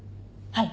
はい。